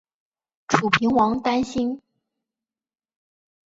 楚平王担心。